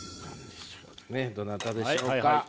どなたでしょうか。